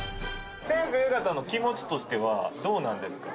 先生方の気持ちとしてはどうなんですか？